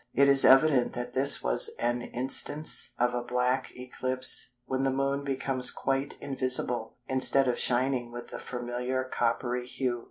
It is evident that this was an instance of a "black" eclipse when the Moon becomes quite invisible instead of shining with the familiar coppery hue.